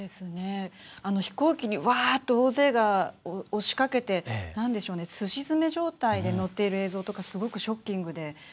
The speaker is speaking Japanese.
飛行機に、わーっと大勢が押しかけてすし詰め状態で乗っている映像とかすごくショッキングで。